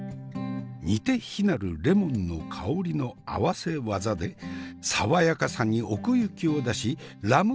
似て非なるレモンの香りの合わせ技で爽やかさに奥行きを出しラム